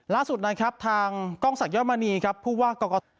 ล่าสุดทางกศักยมณีพูดว่า